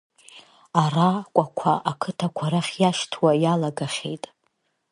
Аракәақәа ақыҭақәа рахь иашьҭуа иалагахьеит.